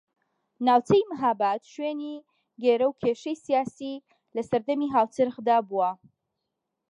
ناوچەی مەھاباد شوێنی گێرەوکێشەی سیاسی لە سەردەمی هاوچەرخدا بووە